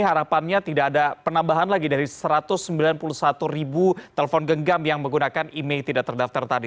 harapannya tidak ada penambahan lagi dari satu ratus sembilan puluh satu ribu telepon genggam yang menggunakan email tidak terdaftar tadi